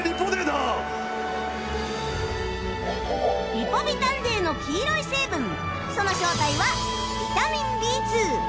リポビタン Ｄ の黄色い成分その正体はビタミン Ｂ２